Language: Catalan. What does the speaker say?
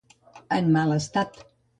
En mal estat.